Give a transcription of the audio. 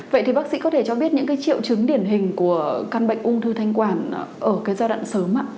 các sĩ có thể cho biết những cái triệu chứng điển hình của căn bệnh ung thư thanh quản ở cái giai đoạn sớm ạ